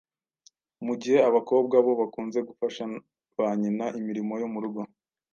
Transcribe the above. Mu gihe abakobwa bo bakunze gufasha ba nyina imirimo yo mu rugo.